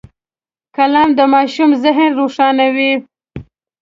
قلم د ماشوم ذهن روښانوي